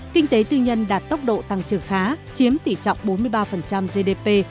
kinh tế tư nhân đạt tốc độ tăng trưởng khá chiếm tỷ trọng bốn mươi ba gdp